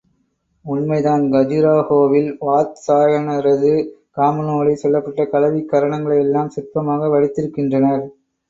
உண்மைதான், கஜுராஹோவில் வாத்சாயனரது காமநூலில் சொல்லப்பட்டுள்ள கலவிக் கரணங்களை எல்லாம் சிற்பமாக வடித்திருக்கின்றனர்.